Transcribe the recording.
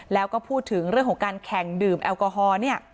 แล้วก็พูดถึงเรื่องของการแข่งดื่มแอลกอฮอล์เนี่ย